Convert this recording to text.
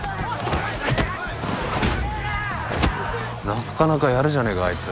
なかなかやるじゃねえかあいつ。